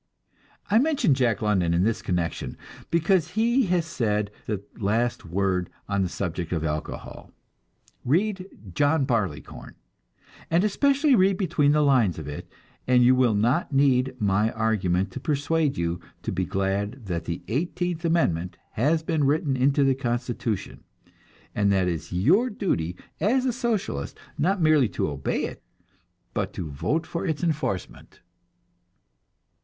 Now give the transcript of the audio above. I mention Jack London in this connection, because he has said the last word on the subject of alcohol. Read "John Barleycorn," and especially read between the lines of it, and you will not need my argument to persuade you to be glad that the Eighteenth Amendment has been written into the Constitution, and that it is your duty as a Socialist, not merely to obey it, but to vote for its enforcement.